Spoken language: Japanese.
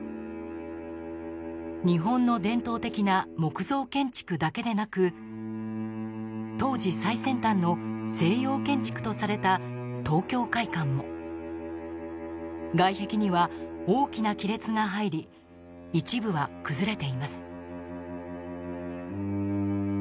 日本の伝統的な木造建築だけでなく当時、最先端の西洋建築とされた東京會舘も外壁には大きな亀裂が入り一部は崩れています。